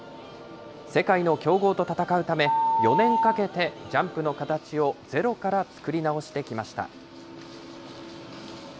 世界の強豪と戦うため、４年かけてジャンプの形をゼロから作り直してきました。